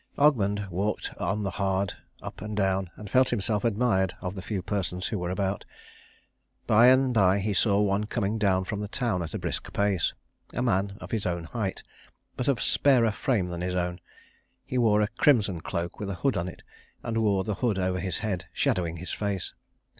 Ogmund walked on the hard, up and down, and felt himself admired of the few persons who were about. By and by he saw one coming down from the town at a brisk pace; a man of his own height, but of sparer frame than his own. He wore a crimson cloak with a hood to it, and wore the hood over his head, shadowing his face.